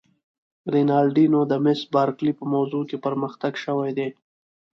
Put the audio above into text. رینالډي: نو د مس بارکلي په موضوع کې پرمختګ شوی دی؟